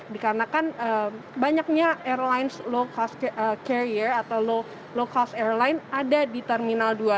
dikarenakan banyaknya airlines low cost carrier atau low cost airline ada di terminal dua